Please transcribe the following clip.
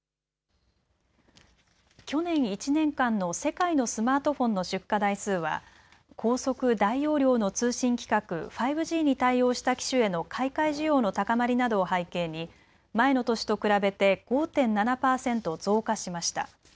去年１年間の世界のスマートフォンの出荷台数は高速・大容量の通信規格、５Ｇに対応した機種への買い替え需要の高まりなどを背景に前の年と比べて５．７％増加しました。